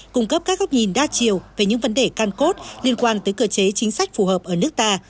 cung cấp các góc nhìn đa chiều về những vấn đề can cốt liên quan tới cửa chế chính sách phù hợp ở nước ta